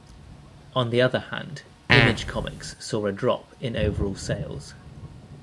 On the other hand Image Comics saw a drop in overall sales.